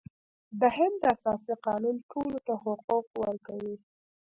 د هند اساسي قانون ټولو ته حقوق ورکوي.